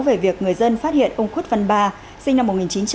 về việc người dân phát hiện ông khuất văn ba sinh năm một nghìn chín trăm sáu mươi bảy